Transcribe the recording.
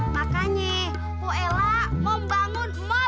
makanya poela mau bangun mal di gang dandut